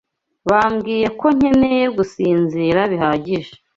bambwiye ko nkeneye gusinzira bihagije.